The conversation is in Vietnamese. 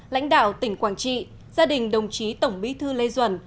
lãnh đạo tỉnh quảng trị gia đình đồng chí tổng bí thư lê duẩn